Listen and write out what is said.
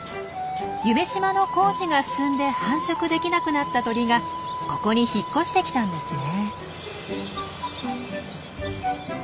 夢洲の工事が進んで繁殖できなくなった鳥がここに引っ越してきたんですね。